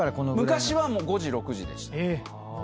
昔は５時６時でした。